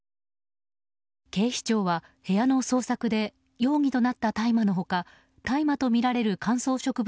警視庁は、部屋の捜索で容疑となった大麻の他大麻とみられる乾燥植物